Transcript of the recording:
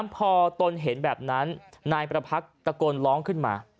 พอตนเห็นแบบนั้นนายประพักษ์ตะโกนร้องขึ้นมา